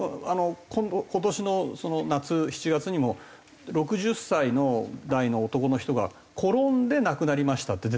今年の夏７月にも６０代の男の人が転んで亡くなりましたって出てるんですね。